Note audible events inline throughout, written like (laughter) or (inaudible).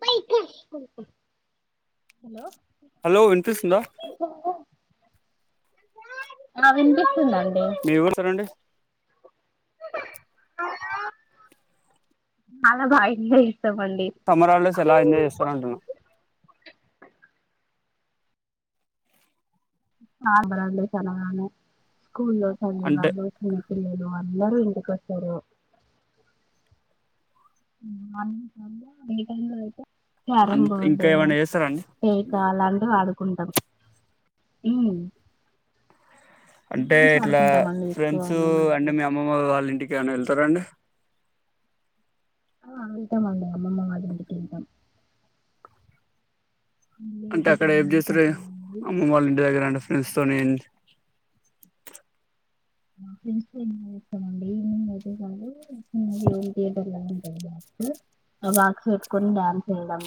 ప్ప ఇ hello hello వినిపిస్తుందా అవింపి మీఊరు సారంండి మాల భయి సమ్మర్ హాలిడేస్ ఎలా ఎంజాయ్ చేస్తారూ అంటున్నా. ఆ భలే ఉంది చాలా బాఉంది స్కూల్ లో చదివిన అంటే వాళ్లు స్కూల్ పిల్లలు వాళ్ అందరూ ఇంటి కోస్తారు ఎనీ టైమ్ లో తెలుసా ఈ అం వారం ఇంకా బోదు ఏమైనా చేస్తారండి యి కాాలంట వాడు. కుంటం ఉమ్ అంటే గేమ్స్ ఇట్లా ఆడుకుంటామండి ఎక్కువ ఫ్రెండ్స్ మేమైతే అంటే మీ అమ్మమ్మ వాళ్ళ ఇంటికి ఏమనా వెళ్తారంండి. ఆ వెళ్తాం అండి అమ్మమ్మ వల్ల ఇంటికి వెళ్తాం. మళ్ళీ అంటే అక్కడ ఏమి చేస్తారు ఒకటండి అమ్మమ్ వాళ్ళ ఇంటి దగ్గర అండ్. ఫ్రెండ్స్ తోనిడ్ ఆ ఫ్రెండ్స్ తో ఎంజాయ్ చేస్తాం అండి ఈవినింగ్ అయితే చాలు. ఈవినింగ్ ఏ థియేటర్లోనూ బక్ ఆ బాక్స్ పెట్టుకొని డ్యాన్స్ వేయడం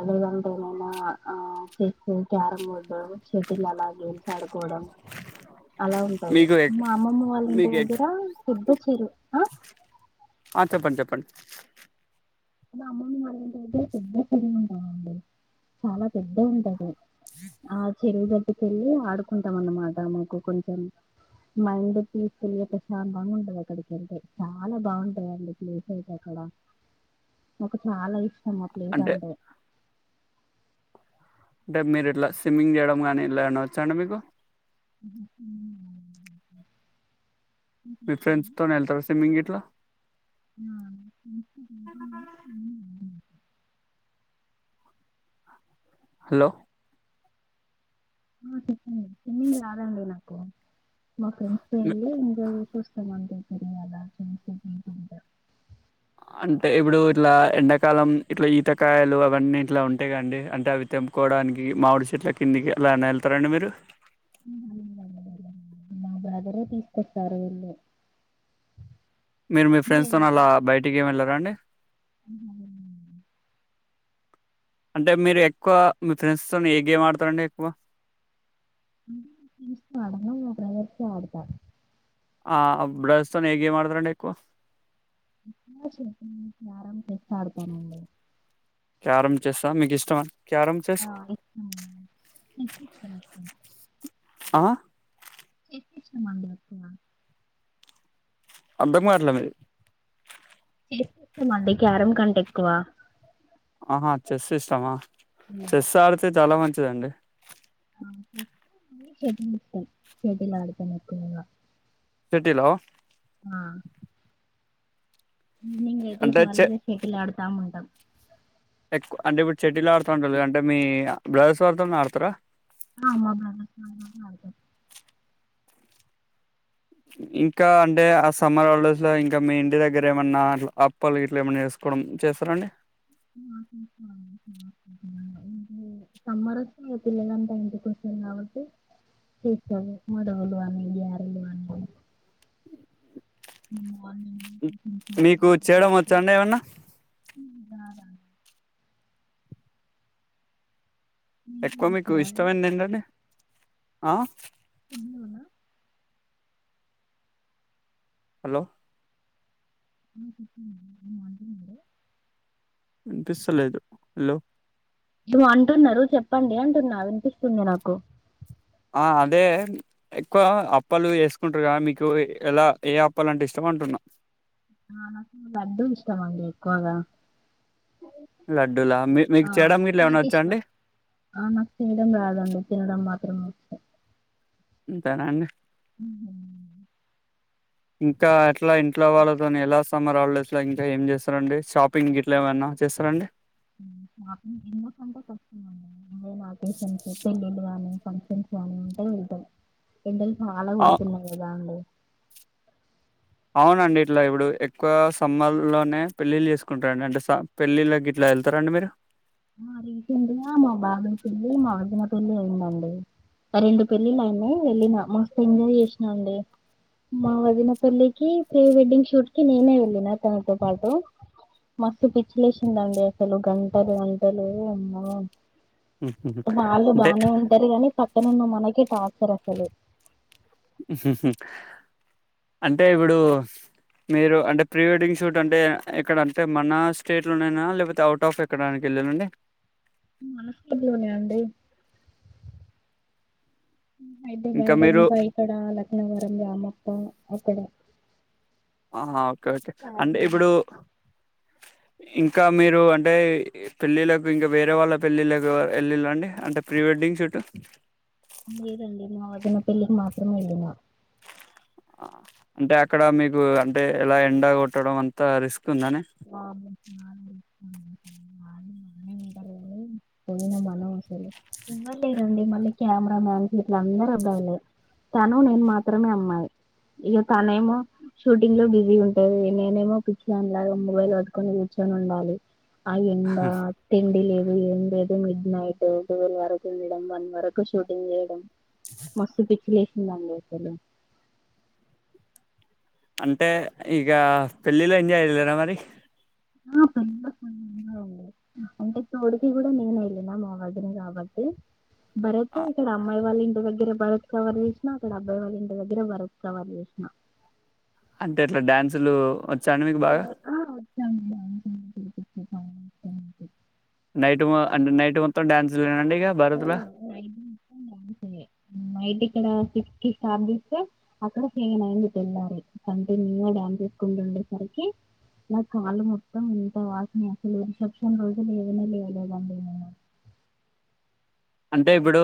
అదేవిధంగా ఏమైనా ఆ చెస్, క్యారం బోర్డు, షటిల్, అలా గేల్స్ ఆడుకోవడం. అలా ఉంటది మీకు మా అమ్మమ్మ వాళ్ళంటి మీకు దగ్గర పొద్దొచ్చిండ్రు ఆ చెప్పండి చెప్పండి అ అమ్మని వాారు ఇంటి దగ్గర పెద్ద చెరువు ఉంటందండి చాలా పెద్దగా ఉంటది. అ చెరువు గాట్టిక వెళ్ళి ఆడుకుంటాం అన్నమాట మీ కొంచెం మైండ్ పీస్ ఫుల్ గా ప్రశాంతంగా ఉంటాది అక్కడికి వెళ్తే చాలా బాగుంటాయిండి ప్లేస్ అయితే అక్కడ. నాకు చాలా ఇస్ స్టామ్ము ప్లేస్ అంటే. అంటే మీరు ఇట్లా స్విమ్మింగ్ చేయడం గాని ఇలా ఏమన్న వచ్చాండి మీకు. ఉమ్ ఉమ్ మీ ఫ్రెండ్స్ తో వెళ్తారా సిమ్మింగ్ ఇట్లా. ఆహ్ హలో ఆహ ఓకే. ఉమ్ స్విమ్మింగ్ రాదండి నాకు. కో మా ఫ్రెండ్స్ తో వెళ్ళి ఎంజాయ్ చేసి వస్తాము అంతే. నేను అలా చూసి పడుకుంటా. అంటే ఇప్పుడు ఇట్లా ఎండాకాలం ఇట్లా ఈతకాయలు అవన్నీ ఇట్లా ఉంటాయి కదాండి. అంటే అవి తెంపుకోవడానికి మామిడి చెట్ల కిందికి అలాన్న వెళ్తారండి మీరు. మా బ్రదరే తీసుకొస్తారు వెళ్లి. మీరు మీ ఫ్రెండ్స్ తోన అలా బయటికి ఏమి వెళ్లారండి. ఉమ్ ఉమ్ అంటే మీరు ఎక్కువ మీ ఫ్రెండ్స్ తోని ఏ గేమ్ ఆడతారండి ఎక్కువ. నేను చాలా వరకు మా బ్రదర్స్ తో ఆడుతా. ఆహ్ బ్రదర్స్ తోని ఏ గేమ్ ఆడుతారు అండి ఎక్కువ. ఆహ్ ఎక్కువ చెస్ క్యారం చెస్ ఆడుతాను అండి. క్యారం, చెస్ ఆ మీకు ఇష్టమా. Carrom chess. ఆ ఇష్టం చెస్ ఇష్టం ఎక్కువ ఆహా. చెస్ ఇష్టం అండి ఎక్కువ. అర్దం కవట్లే మీది. చెస్ ఇష్టం అండి క్యారం కంటే ఎక్కువ. ఆహా చెస్ ఇష్టమా. చెస్ ఆడతే చాలా మంచిది. చ్చ అండి. షటిల్ ఇష్టం షటిల్ ఆడతాను ఎక్కువగా. షెటీలా. ఆహ్ ఈవినింగ్ అయితే అంటే చె చాలుఇగ ఆడుత తం ఉంటాం. ఎక్కువ అంటే ఇప్పుడు మీరు షెటిల్ ఆడుతా అంటారు కదా అంటే మీ బ్లదర్స్ వాళ్లతోనే ఆడతారా. ఆహ్ మా బ్రదర్స్ వాళ్లతోనే ఆడతాం. ఇంకా అంటే ఆ సమ్మర్ హాలిడేస్ లో ఇంకా మీ ఇంటి దగ్గర ఏమన్నా అప్పలు ఇట్లా ఏమన్నా చేసుకోవడం చేస్తారండి. ఆహ్ చేస్తామండి (unintelligible) సమ్మర్ వస్తే పిల్లలు అంతా ఇంటికి వస్తారు కాబట్టి చేస్తాము మదవలు గారెలు అన్ని. ఉమ్మ్ మీకు చేయడం వచ్చా అండి ఏమన్నా. రారా. ఎక్కువ మీకు చేస్తారా అండి ఇష్టమైది ఏంటండి. ఆహ్ కుడున్న (inaudible) హలో వంట (inaudible) వినిస్తలేదు హలో అంటున్నారు చెప్పండి అంటున్నా వినిపిస్తుంది. నాకు అదే ఎక్కువ అప్పలు వేసుకుంటారు. క మీకు ఎలా ఏ అప్పలుంటే ఇష్టం అంటున్నా. ఆ నాకు లడ్డు ఇష్టమండి ఎక్కువగా లడ్డూలా మీ మీకు ఆ చేయడం ఇట్లా ఏమన్నా స్వీట్ వచ్చా అండి ఇష్టం ఆ నాకు తినడం రాదండి, తినడం మాత్రం. ఇ స (unintelligible) ఇంతేన అండి ఇంకా ఇట్లా ఇంట్లో వాళ్ళతోని ఎలా సమ్మర్ హాలిడేస్ ఇంకా ఏం చేస్తారండి. షాపింగ్ ఇట్లా ఏమైనా చేస్తారండి. నాకు ఎందుకంటే కష్టం అదే నాకస పెళ్ళిళ్ళు కానీ ఫంక్షన్స్ అంటా వెళతాం ఎండల్ వాళ్ళ ఆ కొతున్నా ఏదాండ అవునండి ఇట్లా ఇప్పుడు ఎక్కువ సమ్మర్ ల్లోనే పెళ్ళిళ్ళ చేసుకుంటారండి. అంటే పెళ్ళిళ్ళకి ఇట్లా వెళ్తారండి మీరు. రీసెంట్ గా మా బాబాయ్ పెళ్లి, మా వదినపెళ్లి అయిందండి. ఆ రెండు పెళ్లి ఆయ వెళ్ళిన మ ఎంజాయ్ చేసినా అండి మా వదినపెళ్లికి ప్రీ వెడ్డింగ్ షూట్ కి నేనే వెళ్ళిన తనతో పాటు మస్తు పిచ్చిలే లేసిందండి. అసలు గంటలు లే అమ్మ హుహుహు. వాళ్ళు అంటే బానే ఉంటారు. కానీ పక్కనన్న మనకి టా సరసరి హు హు అంటే ఇప్పుడు మీరు అంటే ప్రీ వెడ్డింగ్ షూట్ అంటే ఎక్కడ అంటే మన స్టేట్ లోనైనా లేకపోతే అవుట్ ఆఫ్ ఎక్కడానికి వెళ్ళానండి. మనస్లోనే అండి అయితే బయట ఇంకా ఇక్కడ లక్నవరం రామప్పం. అక్కడ ఆ ఓకే ఓకే అంటే చార్మినార్ ఇప్పుడు ఇంకా మీరు అంటే పెళ్ళిళ్ళలకు ఇంకా వేరే వాళ్ళ పెళ్ళిళ్ళలకు వెళ్ళిళ్ళండి. అంటే ప్రీ వెడ్డింగ్ షూట్. లేదండి మా వదిన పెళ్ళికి మాత్రమే వెళ్ళిన. అంటే అక్కడ మీకు అంటే ఎలా ఎండ కొట్టడం అంతా రిస్క్. ఉందని వామ్మో (unintelligible) బానె ఉంటారు కానీ పోయిన మనం అసలు ఉండలేమండి. మళ్ళీ కెమెరా మ్యాన్స్ ఇట్ల అందరు అబ్బాయ్లే తను నేను మాత్రమే. అమ్మాయి ఇక తనమో షూటింగ్ లో బిజీ ఉంటది. నేనేమో పిచ్చిదానిలాగా మొబైల్ పట్టుకొని కూర్చొని ఉండాలి. ఆ ఎండ తిండి లేదు, ఎండ లేదు మ నైటు టువల్ వరకు ఉండడం, వన్ వరకు షూటింగ్ చేయడం. మస్తు పిచ్చిలే ఇలాందెతలె అంటే ఇక పెళ్ళిలో ఏంజయెగద మరి ఆ పెళ్ళికొడుకె అండి, అంటే తోడికి కూడా నేను వెళ్ళిన మా వదిన కాబట్టి. భరత్ ఆ ఇక్కడ అమ్మాయి వాళ్ళు ఇ దగ్గర భరత్ కవర్ చేసిన, అక్కడ అబ్బాయి వాళ్ళ ఇంటి దగ్గర భరత్ కవర్ చేసిన. అంతే అట్లా డ్యాన్సులు సాండి మీకు బాగా (inaudible) నైట్ మో అంటే నైట్ మొత్తం డ్యాన్స్ లేనండి (inaudible) నైటి ఇక్కడ సిక్స్ కి స్టార్ట్ చేస్తే అక్కడ ఫీన్ అయ్యింది తెళతళాలి కంటిన్యూ గా డ్యాన్స్ ఏసుకుంటూ ఉండేసరికి నా కాళ్ళు మొత్తం ఇంత వాసినయి అసలు రిసెప్షన్ రోజూ లేవనే లేవలేదండి నేను అంటే ఇప్పుడు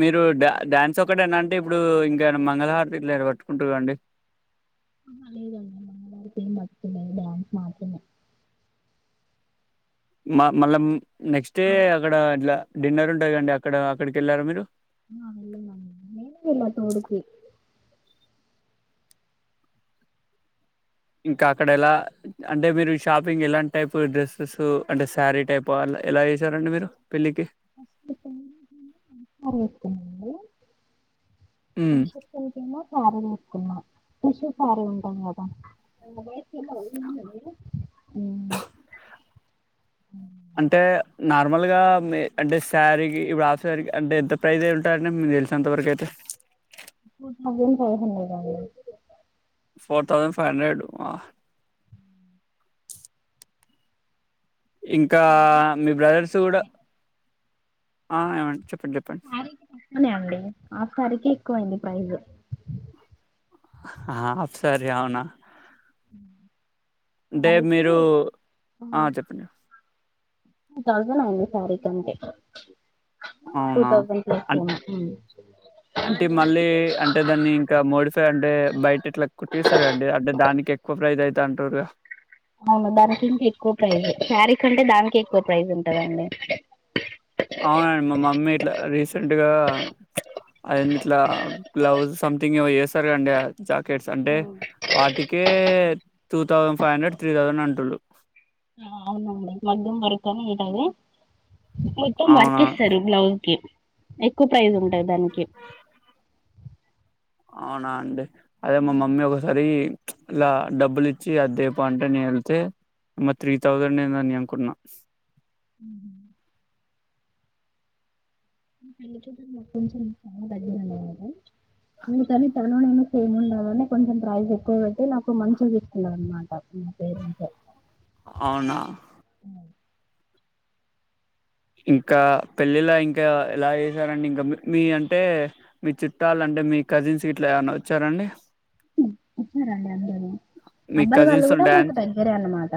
మీరు డాన్స్ డాన్స్ ఒకటేనా అంటే ఇప్పుడు ఇంకేనా మంగళహారతి ఇట్లేదో పట్టుకుంటుర్రా అండి అహీ లేదండి నేను మంగళహారతి ఏం పట్టుకోలేదు డ్యాన్స్ మాత్రామే మా మళ్ళ మ్ నెక్స్ట్ డే అక్కడ ఇట్లా డిన్నర్ ఉంటదిగా అండి అక్కడ అక్కడికెళ్ళారా మీరు ఆ వెళ్ళాం అండి నేనే వెళ్ళా తోడుకి ఇంకా అక్కడ ఎలా అంటే మీరు షాపింగ్ ఎలాంటి టైప్ డ్రెస్సెస్ అంటే శారీ టైపా ఎలా ఏసారండి మీరు పెళ్లికి (inaudible) రిసెప్షన్ మ్మ్ (inaudible) శారీ ఏసుకున్నా ఫ్రెష్ శారీ ఉంటాం కదా (inaudible) నార్మల్ గా మే అంటే శారీకి ఇప్పుడు హిఫ్ శారీకి అంటే ఎంత ఫ్రైసే ఉంటాయండి మీకు తెలిసినంతవరకు అయితే టూ తౌసండ్ ఫైవ్ హండ్రెడ్ అండి ఫోర్ తౌసండ్ ఫైవ్ హండ్రెడ్ వాహ్ ఇంకా మీ బ్రదర్స్ కూడా ఆ ఏమన్ శారికి తక్కువనే అండి ఆఫ్ శారీకి ఎక్కువైంది ప్రైజ్ అఫ్ శారీ అవునా మ్ అంటే మీరూ ఆ చెప్పండి టూ తౌసాండ్ అయింది శారీకి అంతే అవునా అన్ అంటే మళ్ళీ అంటే దాన్ని ఇంకా మోడిఫై, అంటే బయట ఇట్లా కుట్టిస్తారండి అంటే దానికి ఎక్కువ ప్రైస్ అయి. తంటూరుగా అవును దానికి ఇంకా ఎక్కువ ప్రైజ్ ఏ శారీ కంటే, దానికే ఎక్కువ ప్రైజ్ ఉంటందండి. అవునండి మా మమ్మీ ఇట్లా రీసెంట్ గా అద్ ఏంది ఇట్లా గ్లవ్స్ సంథింగ్ ఇవో చేస్తారు కండి జాకెట్స్ అంటే, వాటికే two thousand five hundred three thousand అంటుళ్లు. అవునండి మగ్గం వర్కు అని ఉంటాది మొత్తం వర్క్ అవునా ఇస్తారు బ్లౌస్ కి ఎక్కువ ప్రైజ్ ఉంటది దానికి అవునా అండి అవును మా మమ్మీ ఒకసారి ఇలా డబ్బులు ఇచ్చి అద్దేపో అంటే నేను వెళ్తే మా త్రీ థౌజండ్ ఏందని అనుకున్నా అ పెకు కొంచెం చాలా తరువాత నేను కానీ తను నిను సేమ్ ఉండాలని కొంచెం ప్రైజ్ ఎక్కువ పెట్టి నాకు మంచిగా తీసుకున్నమాట నా పేరెంట్ అవునా ఇంకా పెళ్ళిలా ఇంకా ఎలా చేసారండి ఇంకా మీ అంటే మీ చుట్టాలు అంటే మీ కజిన్స్ ఇట్లా ఏమన్నా వచ్చారండి వచ్చారండి అందరూ మీ అబ్బాయి వాళ్ళు కజిన్స్ తో కూడా మాకు డ్యాన్స్ దగ్గరే అన్నమాట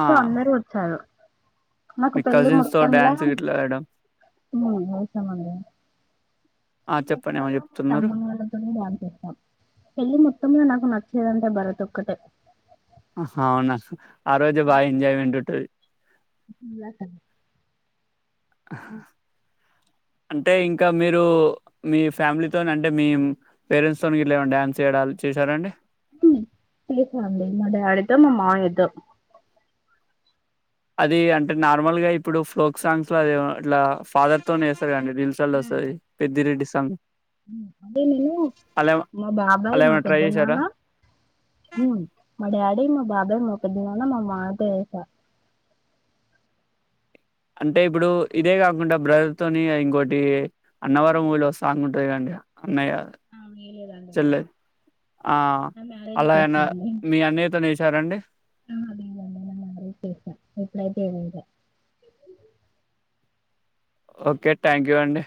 ఆ సో అందరు వచ్చారు నాకు మీ పెళ్లిి కజిన్స్ తో మొత్తంలా డ్యాన్స్ ఇట్లా వేయడం చెసామండి నిను ఆ చెప్పండి ఏమో ఎక్కువగా మా చెప్తున్నారు తమ్ముని వాళ్ళతోనే డాన్స్ వేస్తా పెళ్ళి మొత్తంల నాక్ నచ్చేదంటే భరత్ ఒక్కటే అవునా ఆ రోజు బాగా ఎంజాయ్మెంట్ ఉంటది లా సర అంటే ఇంకా మీరు మీ ఫ్యామిలీతో అంటే మీ పేరెంట్స్ తోని గిట్లాఏమన్నా డ్యాన్స్ చేయడాలు చేశారండి చేసా అండి మా డాడీతో మా మాయ్యతో అది అంటే నార్మల్ గా ఇప్పుడు ఫోక్ సాంగ్స్ లో అది ఇట్లా ఫాదర్ తోనే వేస్తారు కదా అండి రెల్స్ లల్లా వస్తది పెద్ది రెడ్డి సా సంగ్ అదే నేను మా బాబాయ్ అలా మా ఏమైనా ట్రై పెద్ద చేశారా? నాన్న మా డాడీ మా బాబాయ్ మా పెద్దనాన్న మా మామయ్య తో ఎసా అంటే ఇప్పుడు ఇదే కాకుండా బ్రదర్ తోని ఇంకోొటి అన్నవారం మూవిలో సాంగ్ ఉంట్ ది కాదండీ ఆ వేయలేదండి ఆ! నా మ్యారేజ్ అలా కి ఏసా ఏమన్నా అండి మీ అన్నయ్యతోనేసారండి? ఆ లేదండి నా మ్యారేజ్ కి ఏసా అయిపోయనక్కా చె ఓకే థ్యాంక్ యూ అండి